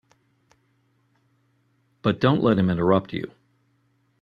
But don't let him interrupt you.